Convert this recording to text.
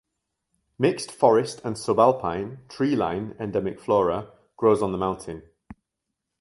Mixed forest and subalpine (tree line) endemic flora grows on the mountain.